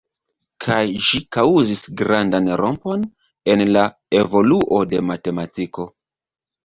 Kaj ĝi kaŭzis grandan rompon en la evoluo de matematiko.